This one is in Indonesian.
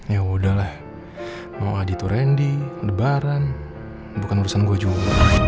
ya udah lah kalau adi itu randy debaran bukan urusan gua juga